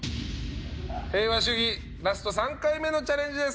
平和主義ラスト３回目のチャレンジです。